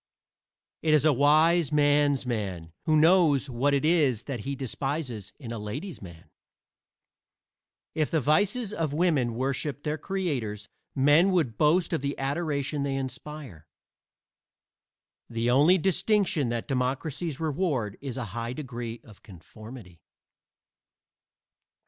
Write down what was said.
It is a wise "man's man" who knows what it is that he despises in a "ladies' man." If the vices of women worshiped their creators men would boast of the adoration they inspire. The only distinction that democracies reward is a high degree of conformity.